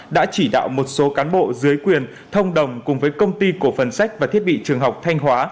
đã chỉ đạo một số cán bộ dưới quyền thông đồng cùng với công ty cổ phần sách và thiết bị trường học thanh hóa